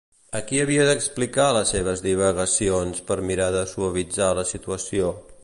A qui havia d'explicar les seves divagacions per mirar de suavitzar la situació?